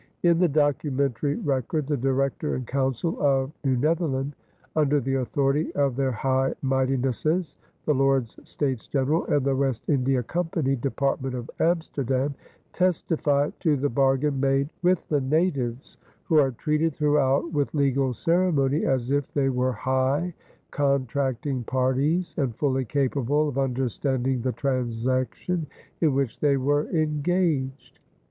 In the documentary record the Director and Council of New Netherland, under the authority of their High Mightinesses, the Lords States General and the West India Company Department of Amsterdam, testify to the bargain made with the natives, who are treated throughout with legal ceremony as if they were high contracting parties and fully capable of understanding the transaction in which they were engaged.